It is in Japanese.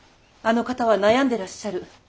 あの方は悩んでらっしゃる。